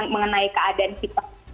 mengenai keadaan kita